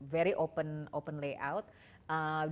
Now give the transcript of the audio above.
layout yang sangat terbuka